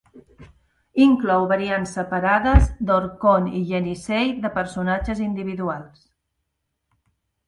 Inclou variants separades d'"Orkhon" i "Yenisei" de personatges individuals.